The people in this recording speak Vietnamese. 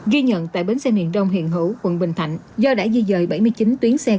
ghi nhận tại bến xe miền đông hiện hữu quận bình thạnh do đã di dời bảy mươi chín tuyến xe